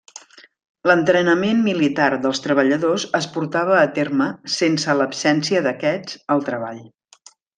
L'entrenament militar dels treballadors es portava a terme sense l'absència d'aquests al treball.